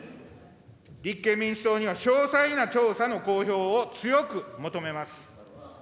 立憲民主党には詳細な調査の公表を強く求めます。